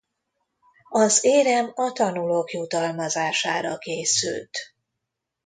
Az érem a tanulók jutalmazására készült.